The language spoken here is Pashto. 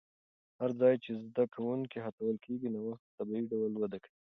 هر ځای چې زده کوونکي هڅول کېږي، نوښت په طبیعي ډول وده کوي.